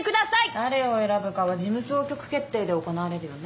誰を選ぶかは事務総局決定で行われるよね。